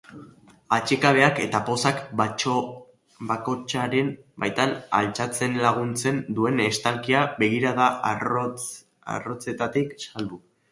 Atsekabeak eta pozak bakotxaren baitan altxatzen laguntzen duen estalkia, begirada arrotzetatik salbu.